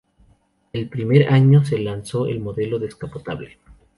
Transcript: El primer año se lanzó el modelo descapotable.